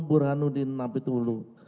burhanuddin nabi tupulu